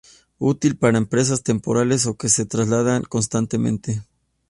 Útil para empresas temporales o que se trasladan constantemente.